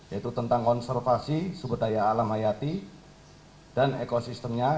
yaitu tentang konservasi subodaya alam hayati dan ekosistemnya